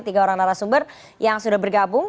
tiga orang narasumber yang sudah bergabung